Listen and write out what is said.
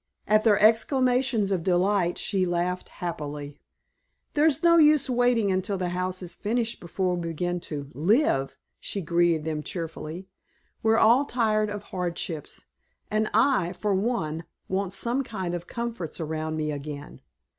At their exclamations of delight she laughed happily. "There's no use waiting until the house is finished before we begin to live," she greeted them cheerily; "we're all tired of hardships, and I, for one, want some kind of comforts around me again.